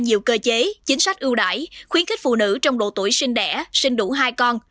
nhiều cơ chế chính sách ưu đãi khuyến khích phụ nữ trong độ tuổi sinh đẻ sinh đủ hai con